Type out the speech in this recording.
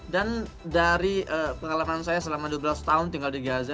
dan dari pengalaman saya selama dua belas tahun tinggal di gaza